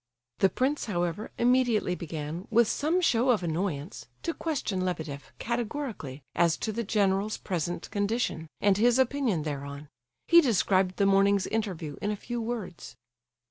The prince, however, immediately began, with some show of annoyance, to question Lebedeff categorically, as to the general's present condition, and his opinion thereon. He described the morning's interview in a few words.